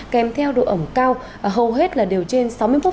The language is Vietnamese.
kèm theo độ ẩm cao hầu hết là đều trên sáu mươi phút